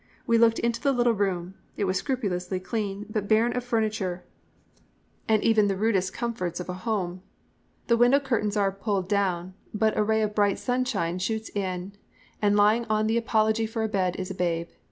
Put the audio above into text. We looked into the little room. It was scrupulously clean, but barren of furniture and even the rudest comforts of a home. The window curtains are pulled down, but a ray of bright sunlight shoots in and lying on the apology for a bed is a babe.